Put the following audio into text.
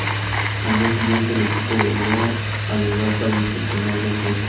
Al día siguiente el equipo voló al lugar para inspeccionar los restos.